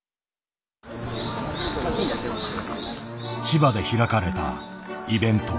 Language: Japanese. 千葉で開かれたイベント。